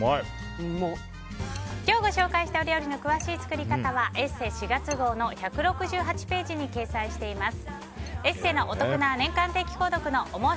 今日ご紹介した料理の詳しい作り方は「ＥＳＳＥ」４月号の１６８ページに掲載しています。